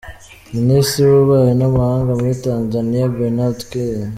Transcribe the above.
Minisitiri w’Ububanyi n’amahanga muri Tanzania, Bernard K.